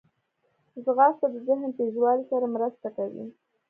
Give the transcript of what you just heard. ځغاسته د ذهن تیزوالي سره مرسته کوي